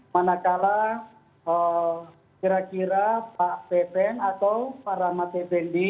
manakala kira kira pak pepen atau pak rahmat pependi